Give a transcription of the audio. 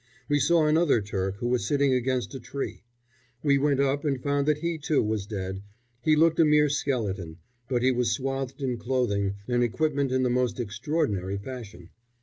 We saw another Turk who was sitting against a tree. We went up and found that he, too, was dead. He looked a mere skeleton; but he was swathed in clothing and equipment in the most extraordinary fashion.